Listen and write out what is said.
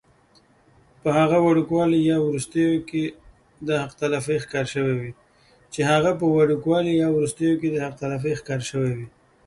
چې هغه پۀ وړوکوالي يا وروستو د حق تلفۍ ښکار شوي وي